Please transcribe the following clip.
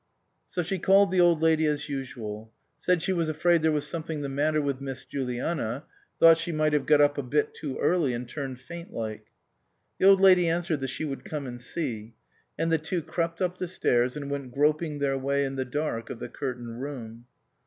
So she called the Old Lady as usual ; said she was afraid there was something the matter with Miss Juliana ; thought she might have got up a bit too early, and turned faint like. The Old Lady answered that she would come and see ; and the two crept up the stairs, and went groping their way in the dark of the cur tained room.